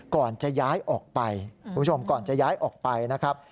ก่อนจะย้ายออกไปคุณผู้ชมก่อนจะย้ายออกไปนะครับ